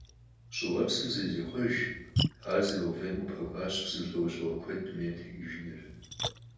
ЩӀыуэпсым зэрызихъуэжым ар зэрауфӀейм къапэкӀуащ бзу лӀэужьыгъуэ куэд дунейм текӀыжыныр.